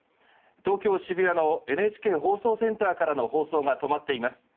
東京・渋谷のＮＨＫ放送センターからの放送が止まっています。